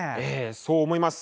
そう思います。